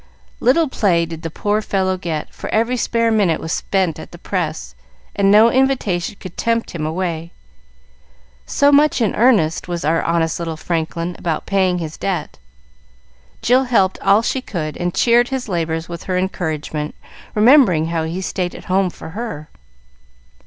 Little play did the poor fellow get, for every spare minute was spent at the press, and no invitation could tempt him away, so much in earnest was our honest little Franklin about paying his debt. Jill helped all she could, and cheered his labors with her encouragement, remembering how he stayed at home for her.